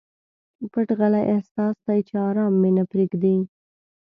پټ غلی احساس دی چې ارام مي نه پریږدي.